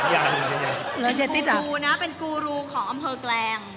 เป็นกูรูนะเป็นกูรูของอำเภอกแกล่ง